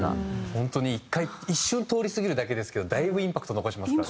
本当に１回一瞬通り過ぎるだけですけどだいぶインパクト残しますから。